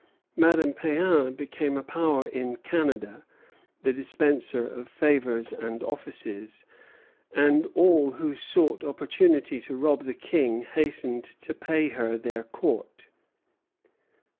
Madame Péan became a power in Canada, the dispenser of favors and offices; and all who sought opportunity to rob the King hastened to pay her their court.